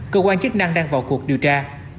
cơ quan chức năng đang vào cuộc điều tra